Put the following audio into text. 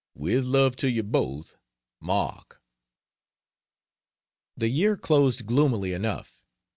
With love to you both, MARK The year closed gloomily enough.